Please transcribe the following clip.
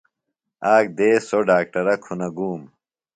آک دیس سوۡ ڈاکٹرہ کُھنہ گُوم۔